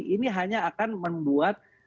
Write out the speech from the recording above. ini hanya akan membuat